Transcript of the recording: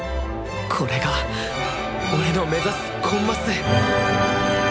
これが俺の目指すコンマス！